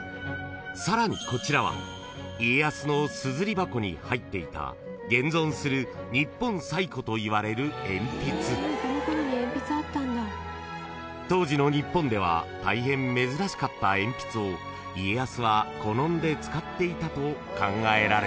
［さらにこちらは家康のすずり箱に入っていた現存する日本最古といわれる鉛筆］［当時の日本では大変珍しかった鉛筆を家康は好んで使っていたと考えられています］